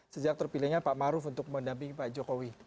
sejak terpilihnya pak maruf untuk mendampingi pak jokowi